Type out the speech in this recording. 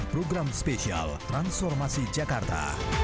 program spesial transformasi jakarta